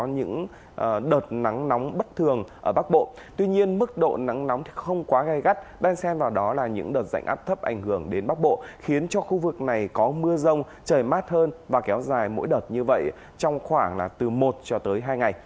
những đợt nắng nóng bất thường ở bắc bộ tuy nhiên mức độ nắng nóng không quá gai gắt đen xem vào đó là những đợt rãnh áp thấp ảnh hưởng đến bắc bộ khiến cho khu vực này có mưa rông trời mát hơn và kéo dài mỗi đợt như vậy trong khoảng là từ một cho tới hai ngày